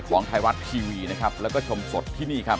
ของไทยรัฐทีวีนะครับแล้วก็ชมสดที่นี่ครับ